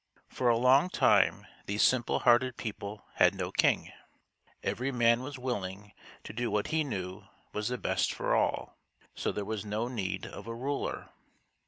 For a long time these simple hearted people had no king. Every man was willing to do what he knew was the best for all, and so there was no need of a ruler.